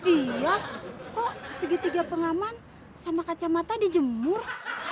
iya kok segitiga pengaman sama kacamata dijemur